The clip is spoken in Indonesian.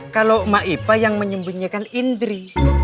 kalau ma'ipah yang menyembunyikan indri